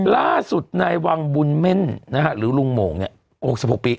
ล่าสุดในวังบุญเม่นหรือลุงโหมออก๖๑๖ปี